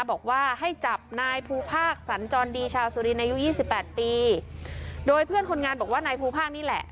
บอกว่าให้จับนายภูภาคสันจรดีชาวสุรินอายุยี่สิบแปดปีโดยเพื่อนคนงานบอกว่านายภูภาคนี่แหละ